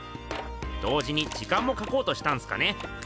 同時に時間もかこうとしたんすかね。